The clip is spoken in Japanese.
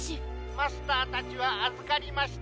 ☎マスターたちはあずかりました。